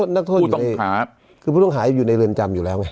นักโทษผู้ต้องหาคือผู้ต้องหาอยู่ในเรือนจำอยู่แล้วไง